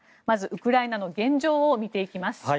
まずウクライナの現状を見ていきます。